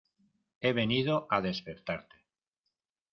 he venido a despertarte.